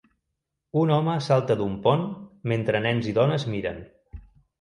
un home salta d'un pont mentre nens i dones miren